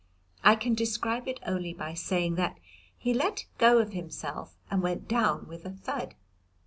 I can describe it only by saying that he let go of himself and went down with a thud.